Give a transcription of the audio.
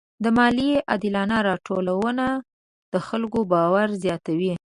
د مالیې عادلانه راټولونه د خلکو باور زیاتوي.